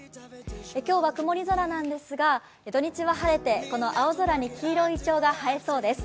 今日は曇り空なんですが、土日は晴れてこの青空に黄色いいちょうが映えそうです。